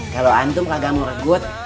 kalo antum kagak mau regut